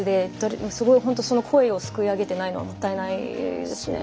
その声をすくい上げてないのはもったいないですね。